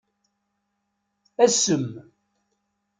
Asem.